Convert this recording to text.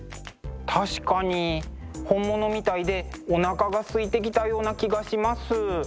確かに本物みたいでおなかがすいてきたような気がします。